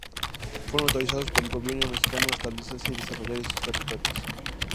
Fueron autorizados por el gobierno mexicano a establecerse y desarrollar esos territorios.